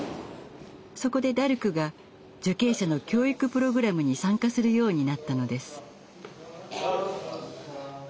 そこでダルクが受刑者の教育プログラムに参加するようになったのです。